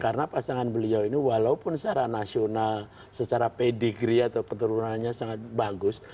karena pasangan beliau ini walaupun secara nasional secara pedigree atau keturunannya sangat bagus